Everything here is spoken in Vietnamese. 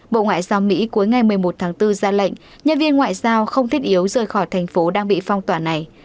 bộ ngoại giao mỹ cuối ngày một mươi một tháng bốn ra lệnh nhân viên ngoại giao không thiết yếu rời khỏi thành phố đang bị phong tỏa này